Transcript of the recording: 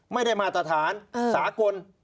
ไม่ได้มาตรฐานสากล